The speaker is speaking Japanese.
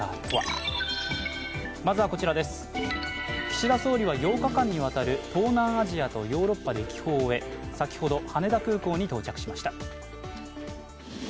岸田総理は８日間にわたる東南アジアとヨーロッパ歴訪を終え先ほど羽田空港に到着しました。